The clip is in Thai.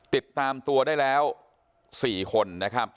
ติดตามตัวได้แล้วสี่คน